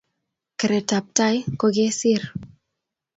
keretab tai ko kesir